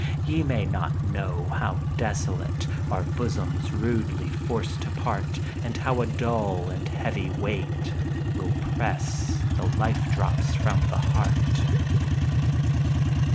Ye may not know how desolate Are bosoms rudely forced to part. And how a dull and heavy weight Will press the life drops from the heart.